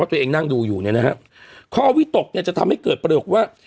ตัวเองนั่งดูอยู่เนี่ยนะฮะข้อวิตกเนี่ยจะทำให้เกิดประโยคว่า